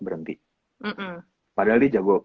berhenti padahal dia jago